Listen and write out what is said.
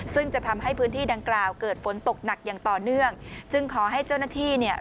ซึ่งจะทำให้พื้นที่ดังกล่าวเกิดฝนตกหนักอย่างต่อเนื่องจึงขอให้เจ้าหน้าที่เนี่ย